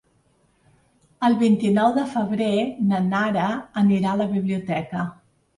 El vint-i-nou de febrer na Nara anirà a la biblioteca.